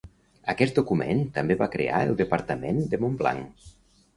Aquest document també va crear el departament de Mont-Blanc.